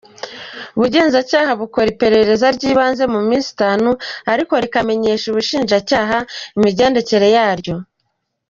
Ubugenzacyaha bukora iperereza ry’ibanze mu minsi itanu ariko rikamenyesha ubushinjacyaha imigendekere yaryo.